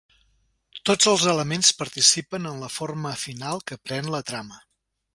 Tots els elements participen en la forma final que pren la trama.